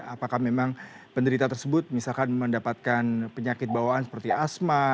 apakah memang penderita tersebut misalkan mendapatkan penyakit bawaan seperti asma